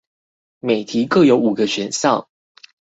每題各有五個選項